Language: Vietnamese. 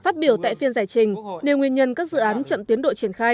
phát biểu tại phiên giải trình đều nguyên nhân các dự án chậm tiến đội triển khai